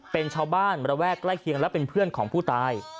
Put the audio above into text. เป็นชาวบ้านระแวกใกล้เคียงและเป็นเพื่อนของผู้ตาย